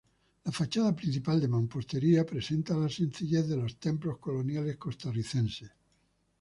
La fachada principal, de mampostería, presenta la sencillez de los templos coloniales costarricenses.